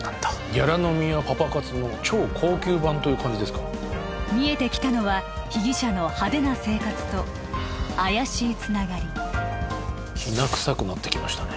ギャラ飲みやパパ活の超高級版という感じですか見えてきたのは被疑者の派手な生活と怪しいつながりきな臭くなってきましたね